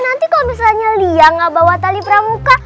nanti kalau misalnya lia gak bawa tali pramuka